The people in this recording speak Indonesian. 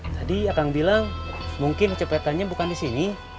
tadi kang bilang mungkin kecopetannya bukan di sini